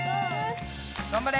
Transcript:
頑張れ！